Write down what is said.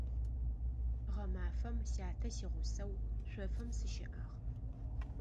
Гъэмафэм сятэ сигъусэу шъофым сыщыӀагъ.